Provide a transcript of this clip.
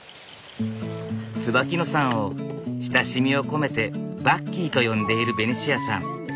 椿野さんを親しみを込めてバッキーと呼んでいるベニシアさん。